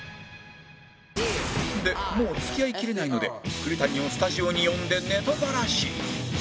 でもう付き合いきれないので栗谷をスタジオに呼んでネタバラシ